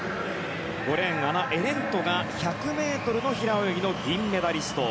５レーン、アナ・エレントが１００ｍ平泳ぎの銀メダリスト。